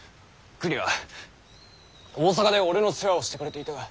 くには大阪で俺の世話をしてくれていた。